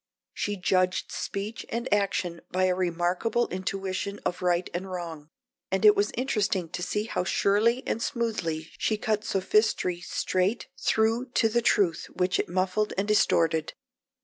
She judged speech and action by a remarkable intuition of right and wrong, and it was interesting to see how surely and smoothly she cut sophistry straight through to the truth which it muffled and distorted.